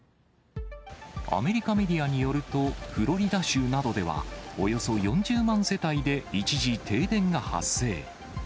アメリカメディアによると、フロリダ州などでは、およそ４０万世帯で一時停電が発生。